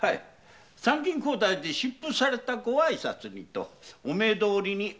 参勤交代で出府されたご挨拶にとお目通りにあがられました。